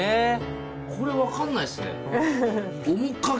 これ分かんないっすね。